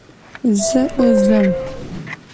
زه اوس ځم .